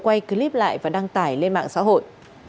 quay clip lại và đăng tải lên mạng xã hội